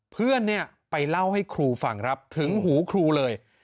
เพื่อนเนี่ยไปเล่าให้ครูฟังครับถึงหูครูเลย